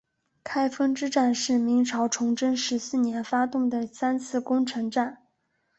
开封之战是明朝崇祯十四年发动的三次攻城战。